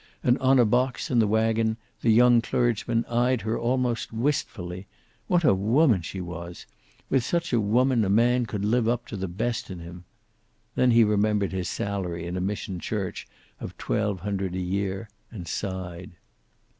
And on a box in the wagon the young clergyman eyed her almost wistfully. What a woman she was! With such a woman a man could live up to the best in him. Then he remembered his salary in a mission church of twelve hundred a year, and sighed.